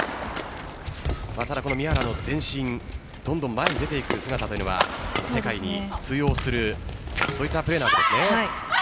ただ、宮浦の前進どんどん前に出ていく姿というのは世界に通用するプレーなんですね。